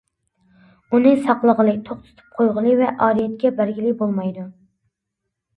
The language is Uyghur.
ئۇنى ساقلىغىلى، توختىتىپ قويغىلى ۋە ئارىيەتكە بەرگىلى بولمايدۇ.